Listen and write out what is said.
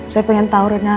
saya pengen tau rina